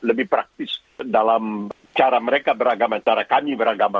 lebih praktis dalam cara mereka beragama cara kami beragama